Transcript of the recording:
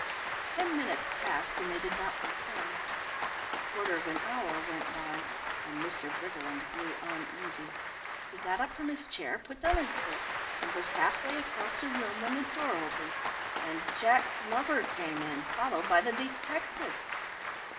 Ten minutes passed and they did not return, a quarter of an hour went by, and Mr. Briggerland grew uneasy. He got up from his chair, put down his book, and was half way across the room when the door opened and Jack Glover came in, followed by the detective.